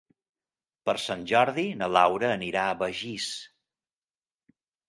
Per Sant Jordi na Laura anirà a Begís.